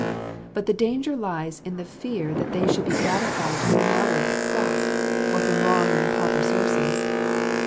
But the danger lies in the fear that they should be gratified to an immoderate excess, or from wrong and improper sources.